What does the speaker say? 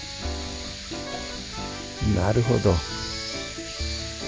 なるほど。